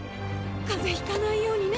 風邪ひかないようにね。